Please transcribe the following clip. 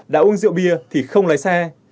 đã uống rượu bia thì không lái xe